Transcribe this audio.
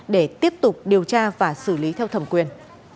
để tiếp tục điều tra và xử lý theo thẩm quyền